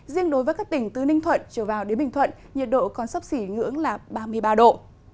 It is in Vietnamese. riêng đối với các tỉnh từ ninh thuận trở vào đến bình thuận nhiệt độ còn sắp xỉ ngưỡng là ba mươi ba độ